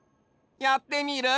やってみる？